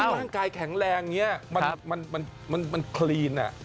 แล้วยิ่งร่างกายแข็งแรงนี้มันคลีน